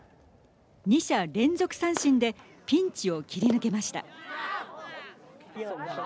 ２者連続三振でピンチを切り抜けました。